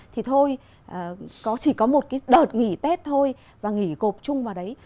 thì thôi chỉ có một cái đợt nghỉ tết thôi và nghỉ cộp chung vào đấy